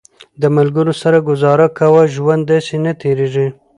د ملګرو سره ګزاره کوه، ژوند داسې نه تېرېږي